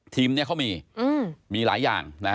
ทีมนี้เขามีมีหลายอย่าง